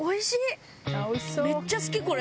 めっちゃ好きこれ。